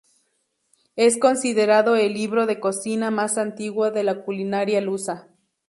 Es considerado el libro de cocina más antiguo de la culinaria lusa.